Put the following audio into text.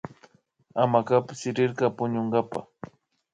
Hamacapi sirirka puñunkapa